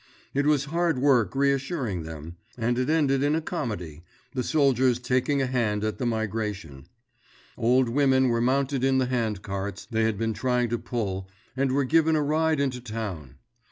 It was hard work reassuring them; and it ended in a comedy, the soldiers taking a hand at the migration. Old women were mounted in the handcarts they had been trying to pull and were given a ride into town.